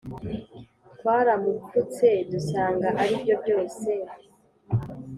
twaramupfutse dusanga aribyo byose